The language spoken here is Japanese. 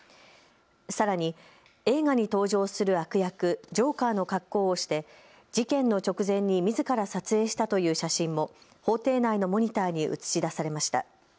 さらに映画に登場する悪役、ジョーカーの格好をして事件の直前にみずから撮影したという写真も法廷内のモニターに映し出されました。